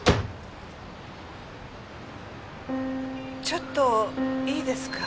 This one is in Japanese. ちょっといいですか？